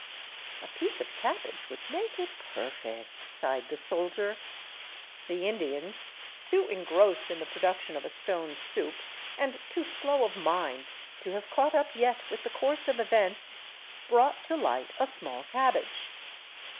" A piece of cabbage would make it perfect," sighed the soldier. The Indians, too engrossed in the production of a stone soup, and too slow of mind to have caught up yet with the course of events, brought to light a small cabbage.